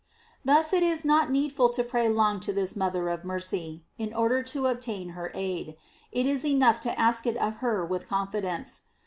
f Thus it is not needful to pray long to this mother of mercy, in order to obtain her aid; it is enough to ask it of her with confidence.